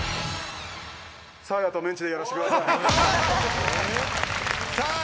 サーヤと「メンチ」でやらせてください。